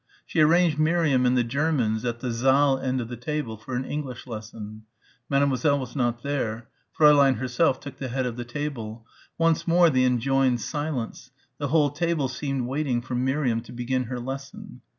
She arranged Miriam and the Germans at the saal end of the table for an English lesson. Mademoiselle was not there. Fräulein herself took the head of the table. Once more she enjoined silence the whole table seemed waiting for Miriam to begin her lesson.